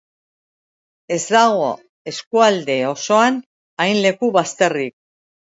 Ez dago eskualde osoan hain leku bazterrik.